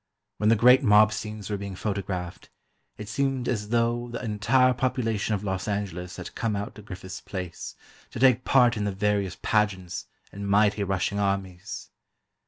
When the great mob scenes were being photographed, it seemed as though the entire population of Los Angeles had come out to Griffith's place, to take part in the various pageants and mighty rushing armies.